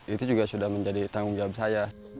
itu juga sudah menjadi tanggung jawab saya